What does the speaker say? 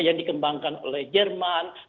yang dikembangkan oleh jerman